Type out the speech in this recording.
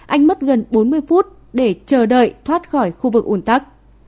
anh mất gần bốn mươi phút để chờ đợi thoát khỏi khu vực ủn tắc